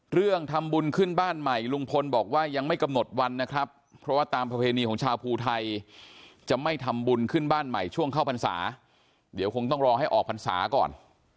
เรื่องทำบุญขึ้นบ้านใหม่ลุงพลบอกว่ายังไม่กำหนดวันนะครับเพราะว่าตามประเพณีของชาวภูไทยจะไม่ทำบุญขึ้นบ้านใหม่ช่วงเข้าพรรษาเดี๋ยวคงต้องรอให้ออกพรรษาก่อน